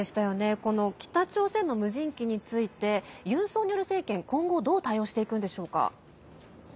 この北朝鮮の無人機についてユン・ソンニョル政権、今後どう対応していくのでしょうか。